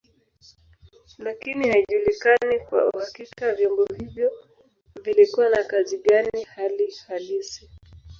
Lakini haijulikani kwa uhakika vyombo hivyo vilikuwa na kazi gani hali halisi.